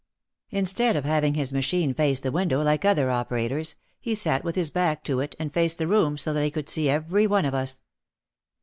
Instead of having his machine face the win dow, like other operators, he sat with his back to it and faced the room so that he could see every one of us.